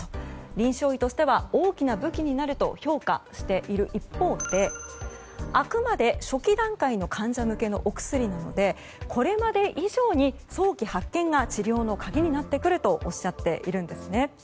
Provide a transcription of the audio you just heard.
臨床医としては大きな武器になると評価している一方であくまで初期段階の患者向けのお薬なのでこれまで以上に早期発見が治療の鍵になってくるとおっしゃっているんですね。